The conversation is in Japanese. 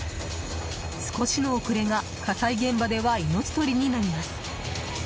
少しの遅れが火災現場では命取りになります。